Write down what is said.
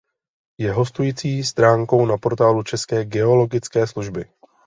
Je hostující stránkou na portálu České geologické služby.